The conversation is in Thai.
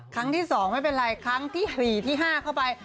ครั้งที่๒ไม่เป็นไรครั้งที่๔ที่๕เข้าไป